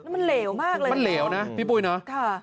มันเหลวมากเลยนะมันเหลวนะพี่ปุ้ยเนาะ